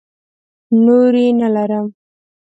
نورې نه لرم.